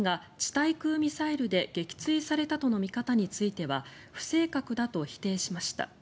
対空ミサイルで撃墜されたとの見方については不正確だと否定しました。